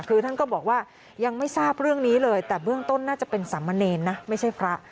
คือท่านก็บอกว่ายังไม่ทราบเรื่องนี้เลยแต่เบื้องต้นน่าจะเป็นสามเณรนะไม่ใช่พระ